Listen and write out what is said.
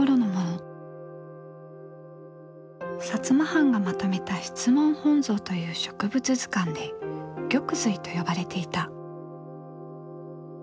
摩藩がまとめた「質問本草」という植物図鑑で玉蘂と呼ばれていた。